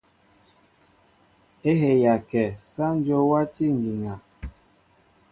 É heya kɛ , sááŋ Dyó wátí ŋgiŋa.